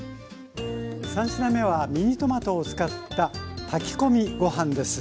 ３品目はミニトマトを使った炊き込みご飯です。